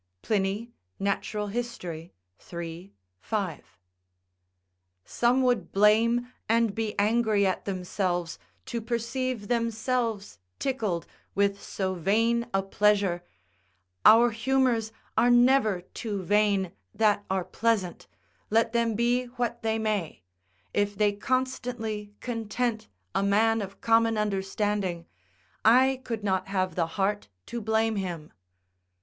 Pliny, Nat. Hist., iii. 5.] Some would blame and be angry at themselves to perceive themselves tickled with so vain a pleasure our humours are never too vain that are pleasant let them be what they may, if they constantly content a man of common understanding, I could not have the heart to blame him.